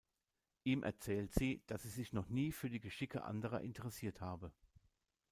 Ihm erzählt sie, dass sie sich noch nie für die Geschicke anderer interessiert habe.